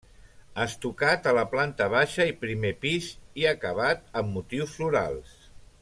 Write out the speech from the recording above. Estucat a la planta baixa i primer pis i acabat amb motius florals.